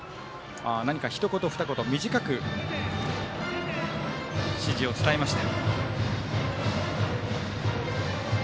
何か、ひと言ふた言短く指示を伝えました。